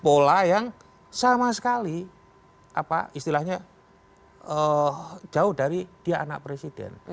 pola yang sama sekali apa istilahnya jauh dari dia anak presiden